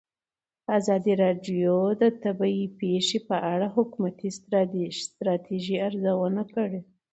ازادي راډیو د طبیعي پېښې په اړه د حکومتي ستراتیژۍ ارزونه کړې.